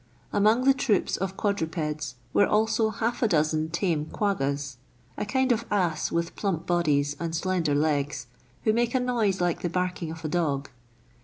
Among the troops of quadrupeds were also half a dozert tame quaggas, a kind of ass with plump bodies and slender legs, who make a noise like the barking of a dog.